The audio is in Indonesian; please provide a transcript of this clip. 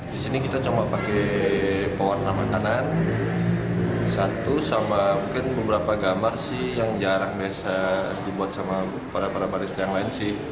di sini kita cuma pakai pewarna makanan satu sama mungkin beberapa gambar sih yang jarang biasa dibuat sama para para barista yang lain sih